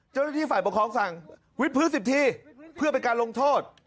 เจ้าหน้าที่ฝ่ายปกครองสั่งวิทย์พื้น๑๐ทีเพื่อเป็นการลงโทษ